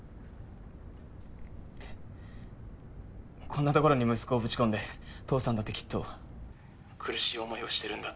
こんなところに息子をぶち込んで父さんだってきっと苦しい思いをしてるんだって。